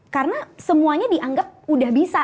karena semuanya dianggap udah bisa